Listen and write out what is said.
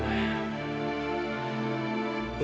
ma fien aku mau